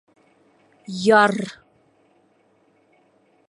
Яр!